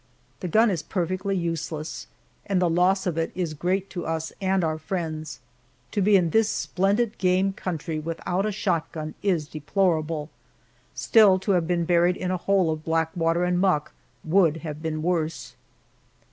The gun is perfectly useless, and the loss of it is great to us and our friends. To be in this splendid game country without a shotgun is deplorable; still, to have been buried in a hole of black water and muck would have been worse.